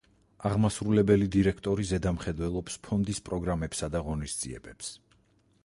აღმასრულებელი დირექტორი ზედამხედველობს ფონდის პროგრამებსა და ღონისძიებებს.